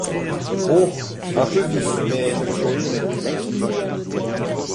Oh ! un peu vif, mais je me corrigerai…